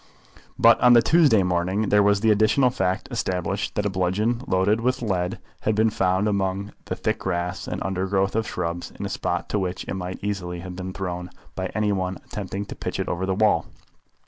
But on the Tuesday morning there was the additional fact established that a bludgeon loaded with lead had been found among the thick grass and undergrowth of shrubs in a spot to which it might easily have been thrown by any one attempting to pitch it over the wall.